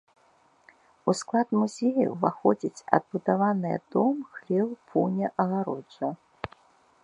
У склад музея ўваходзяць адбудаваныя дом, хлеў, пуня, агароджа.